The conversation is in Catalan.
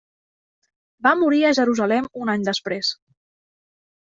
Va morir a Jerusalem un any després.